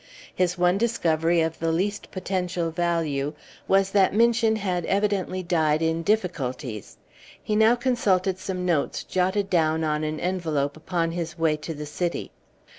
His one discovery of the least potential value was that Minchin had evidently died in difficulties. He now consulted some notes jotted down on an envelope upon his way to the City.